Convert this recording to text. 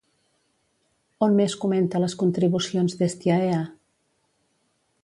On més comenta les contribucions d'Hestiaea?